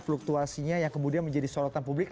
fluktuasinya yang kemudian menjadi sorotan publik